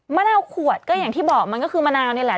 มะนาวขวดก็อย่างที่บอกมันก็คือมะนาวนี่แหละ